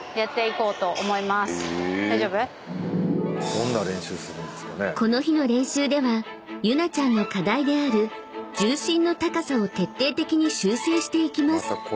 ［この日の練習ではユナちゃんの課題である重心の高さを徹底的に修正していきます］